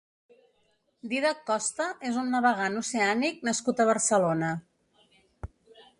Dídac Costa és un navegant oceànic nascut a Barcelona.